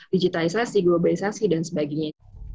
digitalisasi globalisasi dan sebagainya